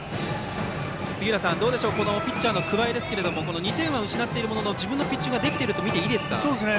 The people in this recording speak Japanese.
杉浦さん、ピッチャーの桑江は２点は失っているものの自分のピッチングはできていると見ていいでしょうか。